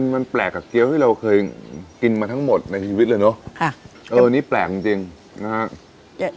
มันแปลกกับเกี้ยวที่เราเคยกินมาทั้งหมดในชีวิตเลยเนอะนี่แปลกจริงนะฮะ